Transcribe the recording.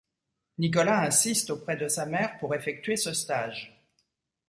Nicolas insiste auprès de sa mère pour effectuer ce stage.